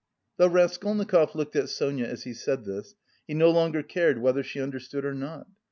Though Raskolnikov looked at Sonia as he said this, he no longer cared whether she understood or not.